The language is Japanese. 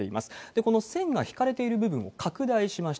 この線が引かれている部分を拡大しました。